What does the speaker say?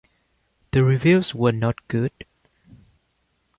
The reviews were not good.